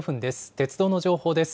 鉄道の情報です。